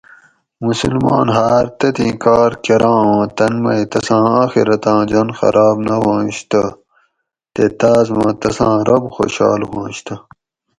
مسلمان ھار تتھین کارکراں اُوں تن مئ تساں آخرتاں جُن خراب نہ ھؤنش تہ تے تاۤس ما تساں رب خوشحال ھواںش تہ